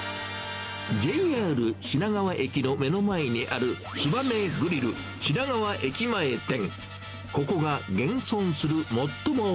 ＪＲ品川駅の目の前にある、つばめグリル品川駅前店。